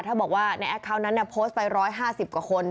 ถ้าบอกว่าในแอคคาวนั้นเนี่ยโพสต์ไปร้อยห้าสิบกว่าคน